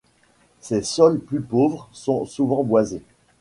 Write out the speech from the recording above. Ces sols plus pauvres sont souvent boisés.